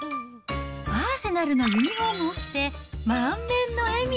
アーセナルのユニホームを着て満面の笑み。